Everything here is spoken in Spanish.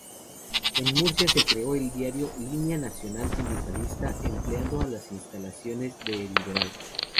En Murcia se creó el diario Línea Nacional-Sindicalista empleando las instalaciones de El Liberal.